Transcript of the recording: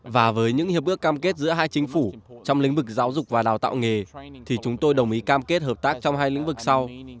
và với những hiệp ước cam kết giữa hai chính phủ trong lĩnh vực giáo dục và đào tạo nghề thì chúng tôi đồng ý cam kết hợp tác trong hai lĩnh vực sau